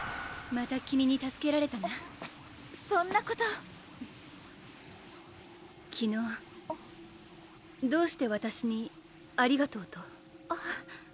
また君に助けられたなそんなこと昨日どうしてわたしに「ありがとう」と？